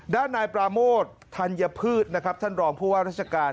ด้านนายปราโมทธัญพืชนะครับท่านรองผู้ว่าราชการ